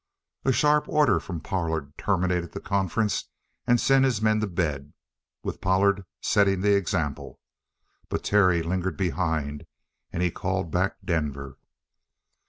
A sharp order from Pollard terminated the conference and sent his men to bed, with Pollard setting the example. But Terry lingered behind and called back Denver.